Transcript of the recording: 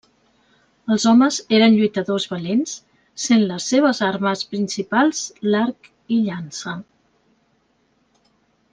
Els homes eren lluitadors valents, sent les seves armes principals l'arc i llança.